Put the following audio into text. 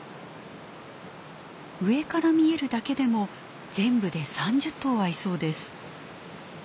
上から見えるだけでも全部で３０頭はいそうです。